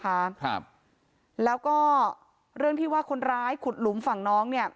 ครับแล้วก็เรื่องที่ว่าคนร้ายขุดหลุมฝั่งน้องเนี้ย